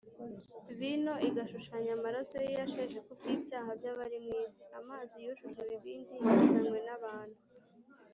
vino igashushanya amaraso ye yasheshe kubw’ibyaha by’abari mu isi. Amazi yujujwe ibibindi yazanywe n’abantu